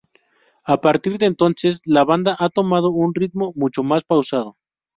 A partir de entonces, la banda ha tomado un ritmo mucho más pausado.